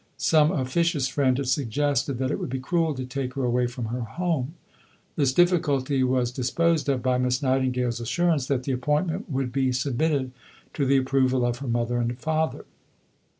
Some officious friend had suggested that "it would be cruel to take her away from her home." This difficulty was disposed of by Miss Nightingale's assurance that the appointment would be submitted to the approval of her mother and father.